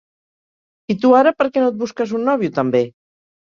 I tu, ara, per què no et busques un nòvio, també?